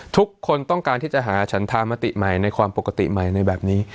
ทุกคนต้องการที่จะหาฉันธามติใหม่ในความปกติใหม่ในแบบนี้